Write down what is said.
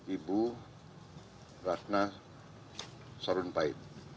ibu ratna sarumpae